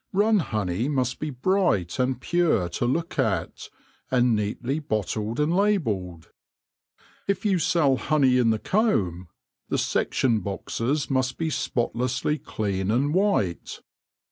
Run honey must be bright and pure to look at, and neatly bottled and labelled. If you sell honey in the comb, the section boxes must be spot lessly clean and white.